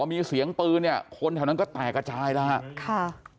มีเสียงปืนเนี่ยคนแถวนั้นก็แตกกระจายแล้วฮะค่ะ